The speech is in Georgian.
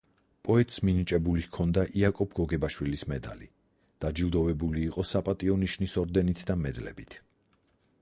პოეტს მინიჭებული ჰქონდა იაკობ გოგებაშვილის მედალი; დაჯილდოვებული იყო „საპატიო ნიშნის“ ორდენით და მედლებით.